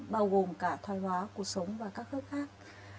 bao gồm cả thoái hóa cuộc sống và các khớp khác